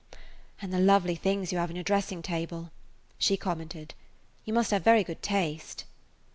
"And the lovely things you have on your dressing table," she commented. "You must have very good taste."